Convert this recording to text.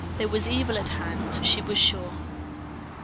There was evil at hand, she was sure.